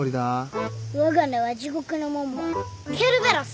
わが名は地獄の門番ケルベロス！